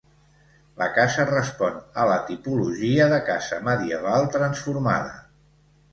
La casa respon a la tipologia de casa medieval transformada.